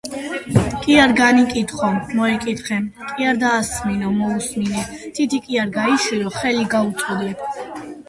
კი არ განიკითხო; მოიკითხე. კი არ დაასმინო, მოუსმინე. თითი კი არ გაიშვირო, ხელი გაუწოდე.